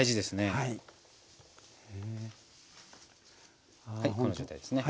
はいこの状態ですね。